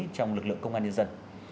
trong lực lượng công an nhân dân